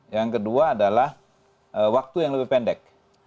yang kedua adalah waktu yang lebih pendek